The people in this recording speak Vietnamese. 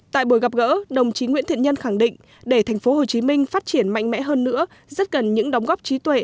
tại buổi gặp gỡ đồng chí nguyễn thiện nhân khẳng định để thành phố hồ chí minh phát triển mạnh mẽ hơn nữa rất cần những đóng góp trí tuệ